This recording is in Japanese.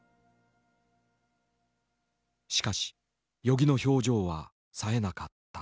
しかし与儀の表情はさえなかった。